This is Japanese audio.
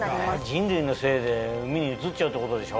人類のせいで海に移っちゃうってことでしょ。